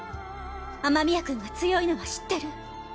雨宮君が強いのは知ってる。